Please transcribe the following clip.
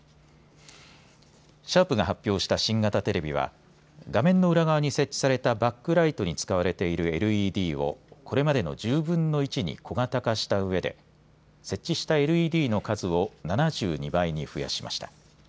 シャープが発表した新型テレビは画面の裏側に設置されたバックライトに使われているＬＥＤをこれまでの１０分の１に小型化したうえで設置したＬＥＤの数を７２倍に増やしました。